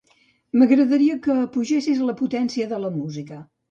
M'agradaria que apugessis la potència de la música.